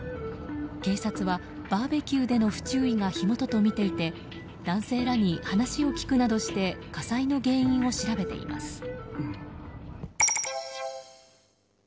警察はバーベキューでの不注意が火元とみていて男性らに話を聞くなどして火災の原因を調べています。